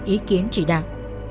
ý kiến chỉ đạt